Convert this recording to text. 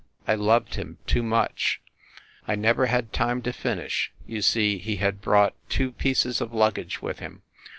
I loved him too much ! I never had time to finish. You see, he had brought two pieces of luggage with him.